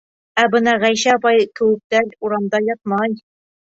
Ә бына Ғәйшә апайың кеүектәр урамда ятмай!